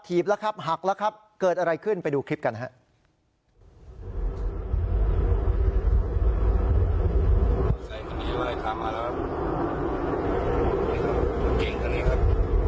ครับหักแล้วครับเกิดอะไรขึ้นไปดูคลิปกันครับ